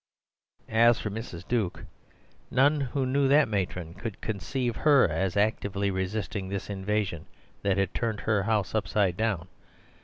As for Mrs. Duke, none who knew that matron could conceive her as actively resisting this invasion that had turned her house upside down.